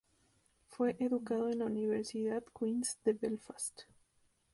Fue educado en la Universidad Queen’s de Belfast.